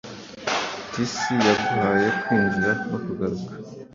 Tisi yaguhaye kwinjira No kugaruka